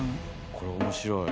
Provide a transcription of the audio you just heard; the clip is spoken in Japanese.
これ面白い。